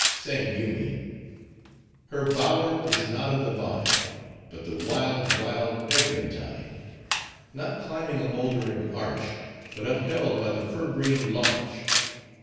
Sang Yoomy:— Her bower is not of the vine, But the wild, wild eglantine! Not climbing a moldering arch, But upheld by the fir green larch.